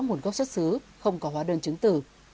nguồn gốc xuất xứ không có hóa đơn chứng tử